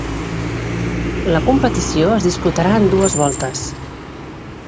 La competició es disputà en dues voltes.